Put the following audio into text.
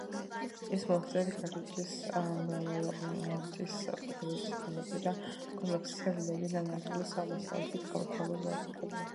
ეს მონასტერი გარეჯის მრავალმთის უკიდურესი განაპირა კომპლექსია, ვინაიდან ამ ადგილას აღმოსავლეთით გამოქვაბულები აღარ გვხვდება.